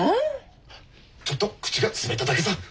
ちょっと口が滑っただけさ。